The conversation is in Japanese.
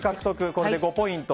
これで５ポイント。